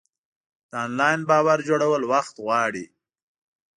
د انلاین باور جوړول وخت غواړي.